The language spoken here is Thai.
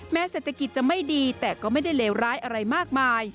เศรษฐกิจจะไม่ดีแต่ก็ไม่ได้เลวร้ายอะไรมากมาย